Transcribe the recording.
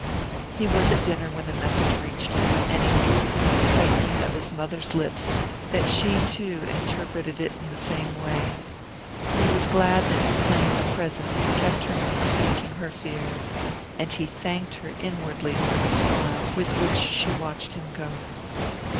He was at dinner when the message reached him, and he knew from the tightening of his mother's lips that she too interpreted it in the same way. He was glad that Duplain's presence kept her from speaking her fears; and he thanked her inwardly for the smile with which she watched him go.